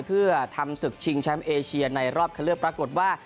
เพื่อทำศึกชิงแชมป์เอเชียในรอบคันเลือกปรากฏว่า